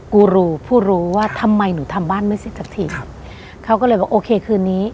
กูรูผู้รู้ว่าทำไมหนูทำบ้านไม่เสร็จสักทีครับเขาก็เลยบอกโอเคคืนนี้